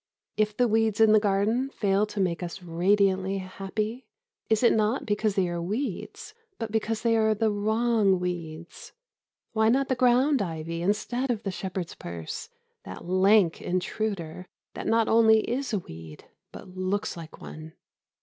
If the weeds in the garden fail to make us radiantly happy, it is not because they are weeds, but because they are the wrong weeds. Why not the ground ivy instead of the shepherd's purse, that lank intruder that not only is a weed but looks like one?